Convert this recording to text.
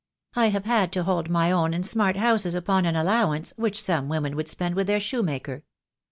I have had to hold my own in smart houses upon an allow ance which some women would spend with their shoe maker.